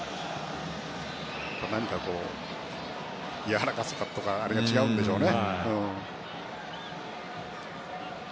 何かやわらかさとかが違うんでしょうね。